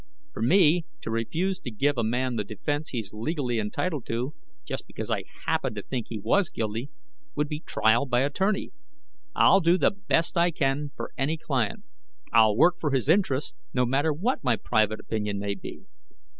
For me to refuse to give a man the defense he is legally entitled to, just because I happened to think he was guilty, would be trial by attorney. I'll do the best I can for any client; I'll work for his interests, no matter what my private opinion may be."